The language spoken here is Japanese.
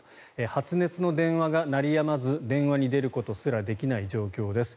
発熱の電話が鳴りやまず電話に出ることすらできない状況です。